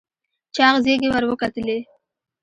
چاغ زيږې ور وکتلې.